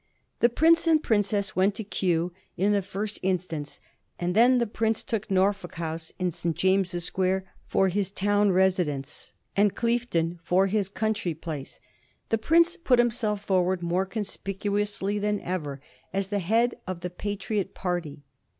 The prince and princess went to Kew in the first in stance, and then the prince took Norfolk House, in St. James's Square, for his town residence, and Cliefden for his country place. The prince put himself forward more conspicuously than ever as the head of the Patriot party.